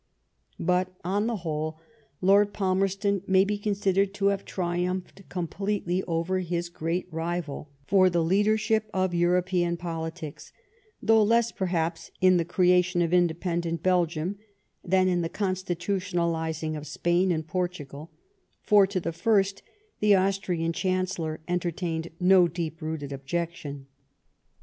But on the whole Lord Palmerston may be considered to have triumphed completely over his great rival for the leadership of European politics ; though less perhaps in the creation of independent Belgium, than in the constitutionalizing of Spain and Portugal, for to the first the Austrian Chancellor en tertained no deep rooted objection.